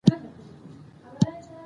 تعلیم د میندو فکر روښانه کوي۔